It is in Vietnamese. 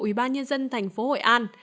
ủy ban nhân dân thành phố hội an